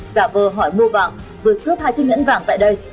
giả vờ hỏi mua vàng rồi cướp hai chiếc nhẫn vàng tại đây